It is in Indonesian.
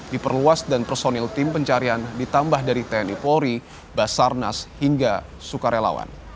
diperluas dan personil tim pencarian ditambah dari tni polri basarnas hingga sukarelawan